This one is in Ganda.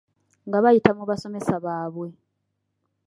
Nga bayita mu basomesa baabwe.